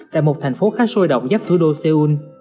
tại một thành phố khá sôi động giáp thủ đô seoul